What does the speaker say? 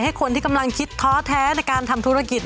คนที่กำลังคิดท้อแท้ในการทำธุรกิจ